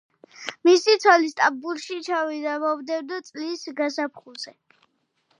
მისი ცოლი სტამბოლში ჩავიდა მომდევნო წლის გაზაფხულზე.